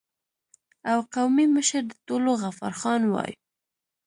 او قومي مشر د ټولو غفار خان وای